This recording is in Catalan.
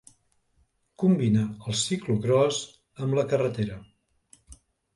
Combina el ciclocròs amb la carretera.